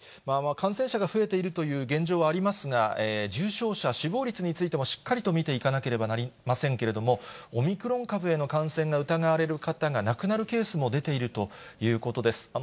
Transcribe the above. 感染者が増えているという現状はありますが、重症者、死亡率についてもしっかりと見ていかなければなりませんけれども、オミクロン株への感染が疑われる方が亡くなるケースも出ているということです。